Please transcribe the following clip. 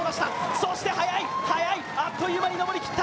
そしてはやい、はやい、あっという間に登り切った。